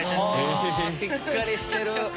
はぁしっかりしてる。